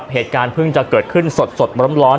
เหตุการณ์เพิ่งจะเกิดขึ้นสดร้อน